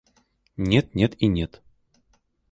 Нет, нет и нет.